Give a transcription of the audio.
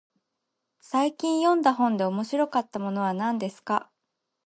最近読んだ本で面白かったものは何ですか。